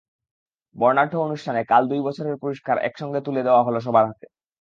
বর্ণাঢ্য অনুষ্ঠানে কাল দুই বছরের পুরস্কার একসঙ্গে তুলে দেওয়া হলো সবার হাতে।